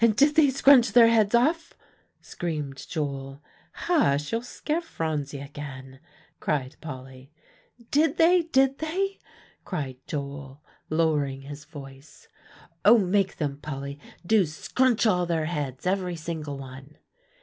"And did they scrunch their heads off?" screamed Joel. "Hush you'll scare Phronsie again," cried Polly. "Did they, did they?" cried Joel, lowering his voice "oh, make them, Polly, do, scrunch all their heads, every single one!"